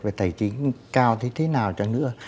và tài chính cao như thế nào cho nữa